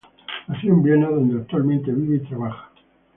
Nació en Viena, donde actualmente vive y trabaja.